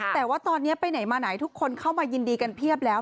แต่ว่าตอนนี้ไปไหนมาไหนทุกคนเข้ามายินดีกันเพียบแล้ว